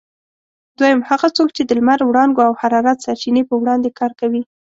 دوهم: هغه څوک چې د لمر وړانګو او حرارت سرچینې په وړاندې کار کوي؟